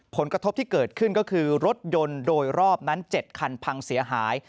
ผลกระทบที่เกิดขึ้นก็คือรถยนต์โดยรอบนั้น๗คันพังเสียหาย